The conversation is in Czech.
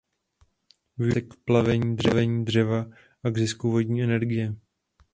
Využívá se k plavení dřeva a k zisku vodní energie.